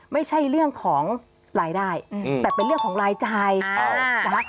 ไม่ใช่เรื่องของรายได้แต่เป็นเรื่องของรายจ่ายนะคะ